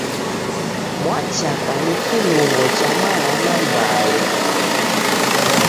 Mwachaka ni kilungo cha mana m'baa erighita.